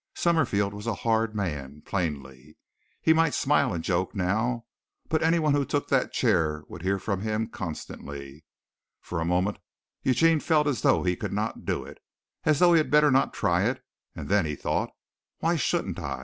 Summerfield was a hard man, plainly. He might smile and joke now, but anyone who took that chair would hear from him constantly. For a moment Eugene felt as though he could not do it, as though he had better not try it, and then he thought, "Why shouldn't I?